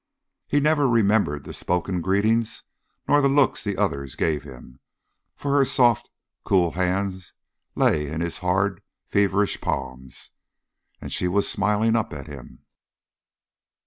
He never remembered the spoken greetings nor the looks the others gave him, for her soft, cool hands lay in his hard, feverish palms, and she was smiling up at him.